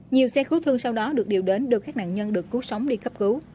nhiều xe cứu thương sau đó được điều đến đưa các nạn nhân được cứu sống đi cấp cứu